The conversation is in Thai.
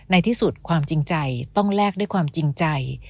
ในที่สุดความจริงใจต้องแลกด้วยความจริงใจ